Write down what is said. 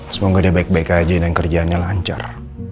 semoga dia baik baik aja dan kerjaannya lancar